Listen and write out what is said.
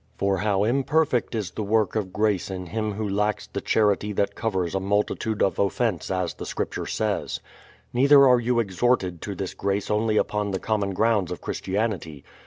For how imperfect is the work of THE PLYMOUTH SETTLEMENT 55 grace in him who lacks the charity that covers a multitude of offence, as the scripture says. Neither are you exhorted to this grace only upon the common grounds of Christianity.